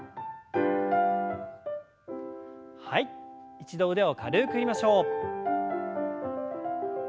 一度腕を軽く振りましょう。